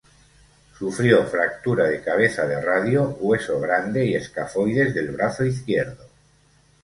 Sufrió fractura de cabeza de radio, hueso grande y escafoides del brazo izquierdo.